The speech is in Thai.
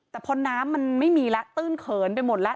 แต่พอน้ำมันไม่มีแล้วตื้นเขินไปหมดแล้ว